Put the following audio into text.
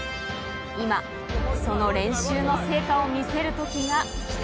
今、その練習の成果を見せる時がきた！